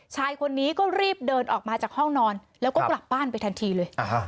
ชายคนนี้ก็รีบเดินออกมาจากห้องนอนแล้วก็กลับบ้านไปทันทีเลย